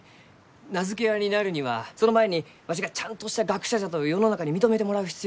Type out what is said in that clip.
名付け親になるにはその前にわしがちゃんとした学者じゃと世の中に認めてもらう必要がある。